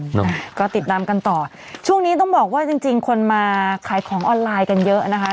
เนาะก็ติดตามกันต่อช่วงนี้ต้องบอกว่าจริงจริงคนมาขายของออนไลน์กันเยอะนะคะ